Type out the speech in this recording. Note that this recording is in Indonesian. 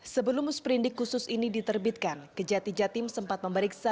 sebelum sprindik khusus ini diterbitkan kejati jatim sempat memeriksa